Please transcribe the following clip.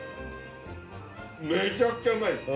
めちゃくちゃうまいです。